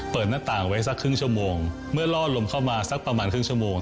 หน้าต่างไว้สักครึ่งชั่วโมงเมื่อล่อลมเข้ามาสักประมาณครึ่งชั่วโมง